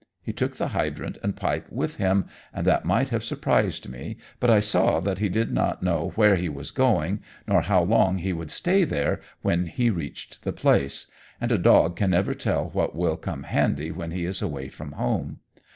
He took the hydrant and the pipe with him, and that might have surprised me, but I saw that he did not know where he was going nor how long he would stay there when he reached the place, and a dog can never tell what will come handy when he is away from home.